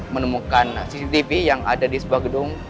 menemukan cctv yang ada di sebuah gedung